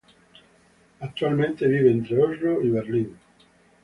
Actualmente vive entre Oslo y Berlín.